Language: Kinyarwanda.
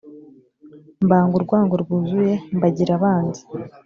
mbanga urwango rwuzuye mbagira abanzi